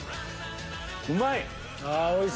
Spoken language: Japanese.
うまい！